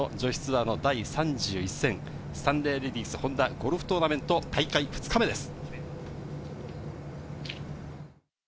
今年の女子ツアーの第３１戦、スタンレーレディスホンダゴルフトーナメント、大会２日目です。